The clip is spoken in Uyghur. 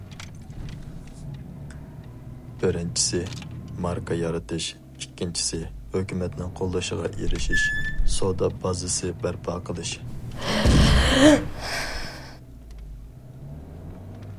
بىرىنچىسى ماركا يارىتىش، ئىككىنچىسى ھۆكۈمەتنىڭ قوللىشىغا ئېرىشىش، سودا بازىسى بەرپا قىلىش.